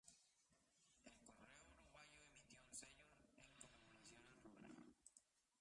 El Correo Uruguayo emitió un sello en conmemoración al programa.